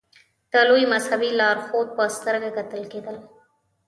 د لوی مذهبي لارښود په سترګه کتل کېدل.